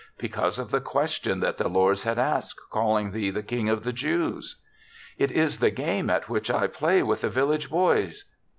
" Because of the question that the lords had asked, calling thee the King of the Jews." " It is the game at which I play with the village boys.